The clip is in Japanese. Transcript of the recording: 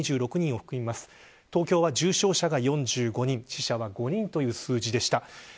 東京は重症者が４５人死者は５人という数字でした。